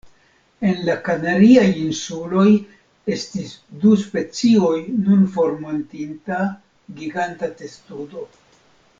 En la Kanariaj Insuloj estis du specioj nun formortinta giganta testudo.